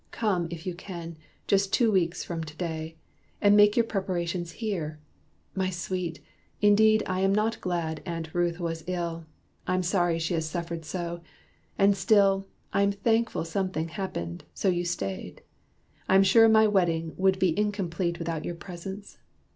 Come, if you can, just two weeks from to day, And make your preparations here. My sweet! Indeed I am not glad Aunt Ruth was ill I'm sorry she has suffered so; and still I'm thankful something happened, so you stayed. I'm sure my wedding would be incomplete Without your presence.